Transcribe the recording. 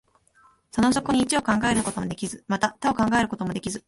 その底に一を考えることもできず、また多を考えることもできず、